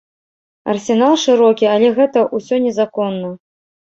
Арсенал шырокі, але гэта ўсё незаконна.